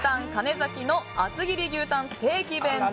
ざきの厚切り牛たんステーキ弁当。